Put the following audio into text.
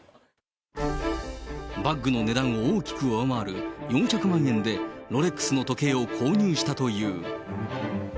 バッグの値段を大きく上回る４００万円で、ロレックスの時計を購入したという。